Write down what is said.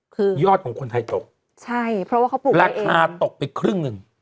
คือยอดของคนไทยตกใช่เพราะว่าเขาปลูกราคาตกไปครึ่งหนึ่ง